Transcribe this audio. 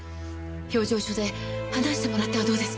評定所で話してもらってはどうですか？